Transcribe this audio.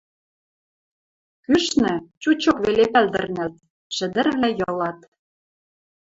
кӱшнӹ, чучок веле пӓлдӹрнӓлт, шӹдӹрвлӓ йылат;